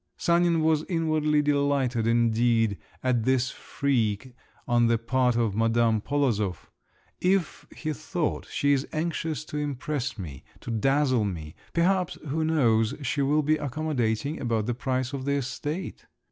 Sanin was inwardly delighted indeed at this freak on the part of Madame Polozov; if, he thought, she is anxious to impress me, to dazzle me, perhaps, who knows, she will be accommodating about the price of the estate.